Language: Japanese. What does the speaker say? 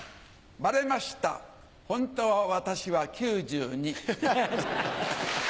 バレましたホントは私は９２。